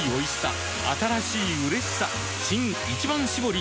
新「一番搾り」